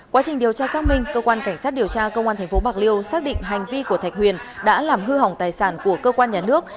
quá trình điều tra xác minh cơ quan cảnh sát điều tra công an tp bạc liêu xác định hành vi của thạch huyền đã làm hư hỏng tài sản của cơ quan nhà nước